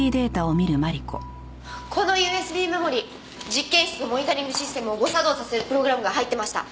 このＵＳＢメモリ実験室のモニタリングシステムを誤作動させるプログラムが入ってました。